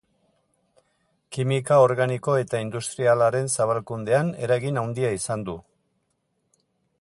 Kimika organiko eta industrialaren zabalkundean eragin handia izan du.